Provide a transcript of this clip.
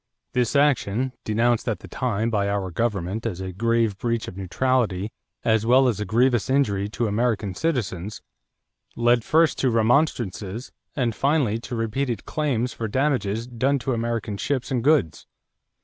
This action, denounced at the time by our government as a grave breach of neutrality as well as a grievous injury to American citizens, led first to remonstrances and finally to repeated claims for damages done to American ships and goods.